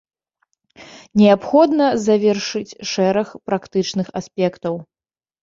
Неабходна завершыць шэраг практычных аспектаў.